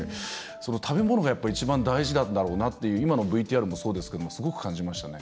食べ物が一番大事なんだろうなという今のＶＴＲもそうですけどすごく感じましたね。